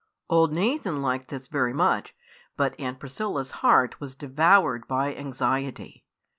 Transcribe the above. Old Nathan liked this very much; but Aunt Priscilla's heart was devoured by anxiety.